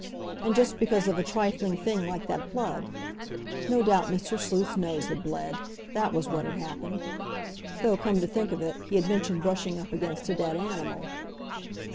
And just because of a trifling thing like that blood. No doubt Mr. Sleuth's nose had bled—that was what had happened; though, come to think of it, he had mentioned brushing up against a dead animal.